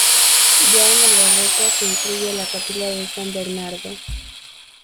Ya en el barroco se incluye la capilla de San Bernardo.